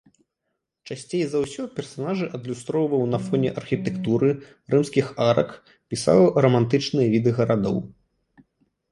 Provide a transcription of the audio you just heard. Часцей за ўсё персанажы адлюстроўваў на фоне архітэктуры, рымскіх арак, пісаў рамантычныя віды гарадоў.